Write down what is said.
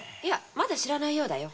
まだ知らないようだよ。